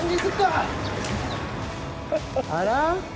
あら？